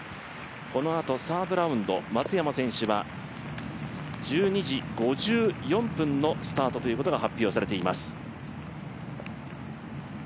このあとサードラウンド松山選手は１２時５４分のスタートということが発表されています。